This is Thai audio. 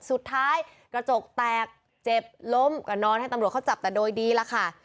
สุดท้ายกระจกแตกเจ็บล้มก็นอนให้ตำรวจเขาจับแต่โดยดีล่ะค่ะ